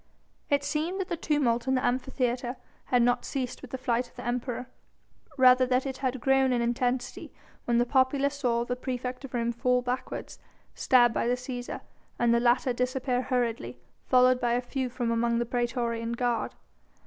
It seemed that the tumult in the Amphitheatre had not ceased with the flight of the Emperor, rather that it had grown in intensity when the populace saw the praefect of Rome fall backwards, stabbed by the Cæsar, and the latter disappear hurriedly, followed by a few from among the praetorian guard.